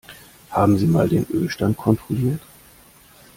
Haben Sie mal den Ölstand kontrolliert?